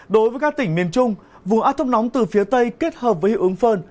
đối với các tỉnh miền trung vùng áp thấp nóng từ phía tây kết hợp với hiệu ứng phơn